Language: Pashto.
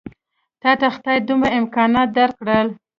تاته خدای دومره امکانات درکړل.